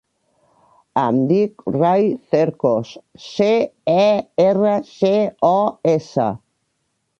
Em dic Rai Cercos: ce, e, erra, ce, o, essa.